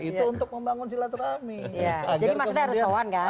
itu untuk membangun silaturahmi